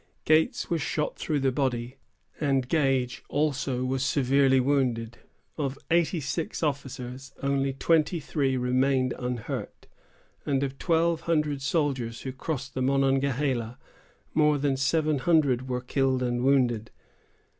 Gates was shot through the body, and Gage also was severely wounded. Of eighty six officers, only twenty three remained unhurt; and of twelve hundred soldiers who crossed the Monongahela, more than seven hundred were killed and wounded.